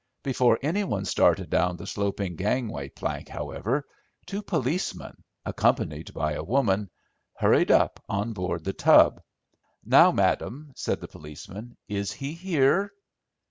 Before any one started down the sloping gangway plank, however, two policemen, accompanied by a woman, hurried up on board The Tub. "Now, madam," said the policeman, "is he here?"